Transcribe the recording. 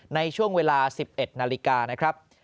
ในช่วงเวลา๑๑นาฬิกานะครับ